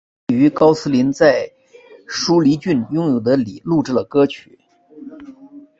希兰于高斯林在舒梨郡拥有的里录制了歌曲。